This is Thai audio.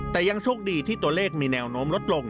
แต่ยังโชคดีที่ตัวเลขมีแนวโน้มลดลง